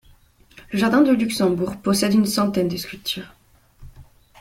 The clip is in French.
Le jardin du Luxembourg possède une centaine de sculptures.